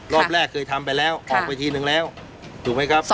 รอบแรกเคยทำไปแล้วออกไปทีนึงแล้วถูกไหมครับ